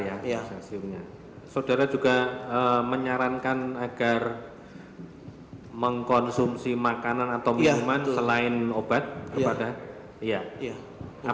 ya saudara juga menyarankan agar mengkonsumsi makanan atau minuman selain obat kepada iya